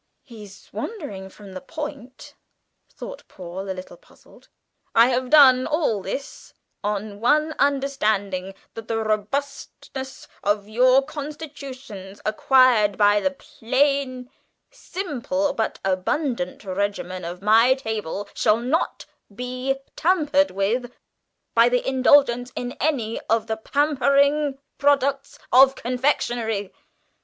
"He's wandering from the point," thought Paul, a little puzzled. "I have done all this on one understanding that the robustness of your constitutions, acquired by the plain, simple, but abundant regimen of my table, shall not be tampered with by the indulgence in any of the pampering products of confectionery.